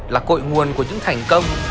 là cội nguồn của những thành công